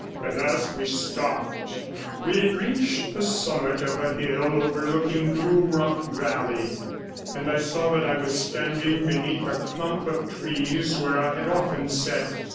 At last we stopped. We had reached the summit of the hill overlooking Blue Rock Valley, and I saw that I was standing beneath a clump of trees where I had often sat.